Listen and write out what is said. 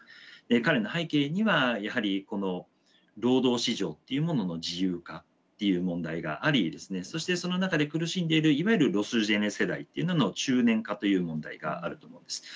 彼の背景にはやはり労働市場っていうものの自由化っていう問題がありそしてその中で苦しんでいるいわゆるロスジェネ世代っていうのの中年化という問題があると思います。